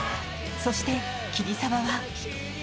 そして、桐沢は。